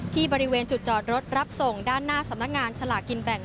ที่บริเวณจุดจอดรถรับส่งด้านหน้าสำนักงานสลากินแบ่ง